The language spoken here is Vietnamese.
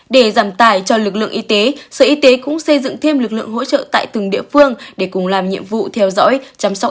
để giảm tài cho lực lượng y tế sở y tế cũng xây dựng thêm lực lượng hỗ trợ tại từng địa phương để cùng làm nhiệm vụ theo dõi